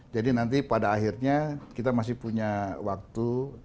jadi nanti pada akhirnya kita masih punya waktu